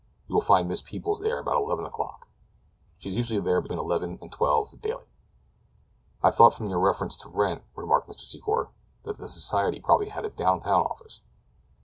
"You will find Miss Peebles there about eleven o'clock. She is usually there between eleven and twelve daily." "I thought from your reference to rent," remarked Mr. Secor, "that the society probably had a down town office."